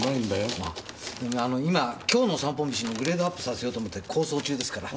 今「京の散歩道」をグレードアップさせようと思って構想中ですから。